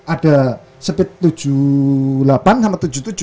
ada speed tujuh puluh delapan sampai tujuh puluh tujuh